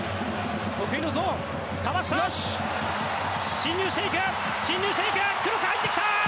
得意のゾーンかわした、進入していくクロス、入ってきた！